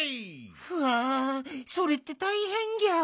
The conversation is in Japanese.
うわそれってたいへんギャオ。